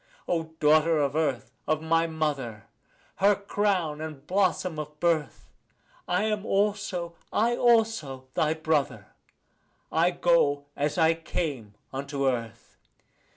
O daughter of earth, of my mother, her crown and blossom of birth, I am also, I also, thy brother; I go as I came unto earth.